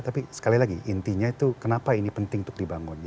tapi sekali lagi intinya itu kenapa ini penting untuk dibangun